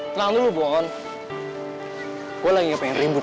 terlalu bohong gue lagi pengen rimbut